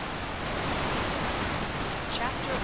CHAPTER I.